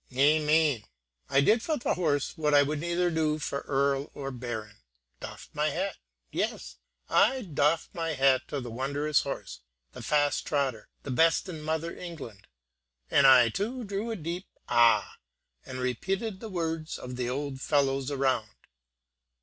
Amain I did for the horse what I would neither do for earl or baron, doffed my hat; yes! I doffed my hat to the wondrous horse, the fast trotter, the best in mother England; and I too drew a deep ah! and repeated the words of the old fellows around.